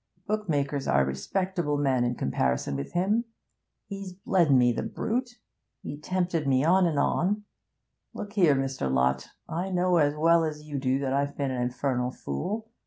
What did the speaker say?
'Bookmakers are respectable men in comparison with him. He's bled me, the brute! He tempted me on and on Look here, Mr. Lott, I know as well as you do that I've been an infernal fool.